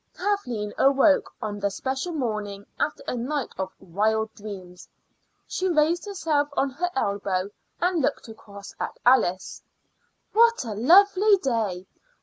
Kathleen awoke on the special morning after a night of wild dreams. She raised herself on her elbow and looked across at Alice. "What a lovely day!